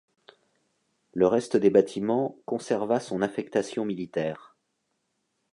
Le reste des bâtiments conserva son affectation militaire.